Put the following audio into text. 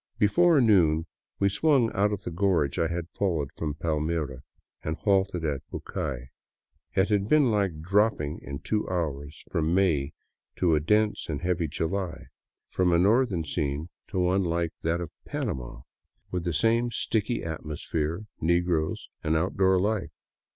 Before noon we swung out of the gorge I had followed from Pal mira, and halted at Bucay. It had been like dropping in two hours from May to a dense and heavy July, from a northern scene to one like H78 DOWN VOLCANO AVENUE that of Panama, with the same sticky atmosphere, negroes, and out door Hfe.